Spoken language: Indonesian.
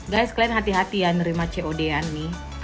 guys kalian hati hati ya menerima cod an nih